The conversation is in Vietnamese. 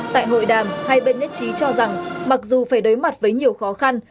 tại hội đàm hai bên nhất trí cho rằng mặc dù phải đối mặt với nhiều khó khăn